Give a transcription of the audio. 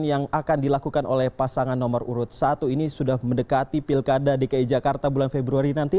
yang akan dilakukan oleh pasangan nomor urut satu ini sudah mendekati pilkada dki jakarta bulan februari nanti